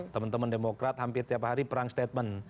teman teman demokrat hampir tiap hari perang statement